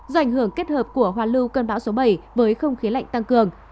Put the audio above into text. do ảnh hưởng kết hợp của hoa lưu cơn bão số bảy với không khí lạnh tăng cường